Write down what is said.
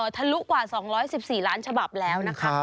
ทลุกว่า๒๑๔ล้านฉบับแล้วนะคะ